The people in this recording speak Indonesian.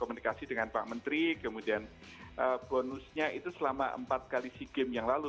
komunikasi dengan pak menteri kemudian bonusnya itu selama empat kali sea games yang lalu